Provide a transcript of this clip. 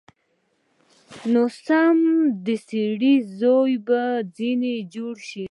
نو سم د سړي زامن به ځنې جوړ سو.